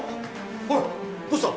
おいどうした？